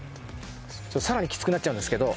更にきつくなっちゃうんですけど。